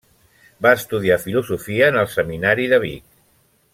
Va estudiar Filosofia en el Seminari de Vic.